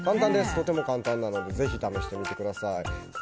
とても簡単なのでぜひ試してみてください。